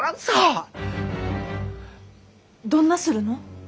どんなするの？